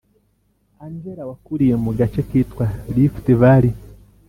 angela wakuriye mu gace kitwa rift valley,